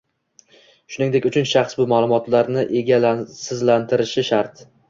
shuningdek uchinchi shaxs bu ma’lumotlarni egasizlantirishi shart.